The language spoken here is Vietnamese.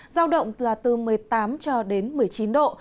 giao động là từ một mươi tám cho đến một mươi chín độ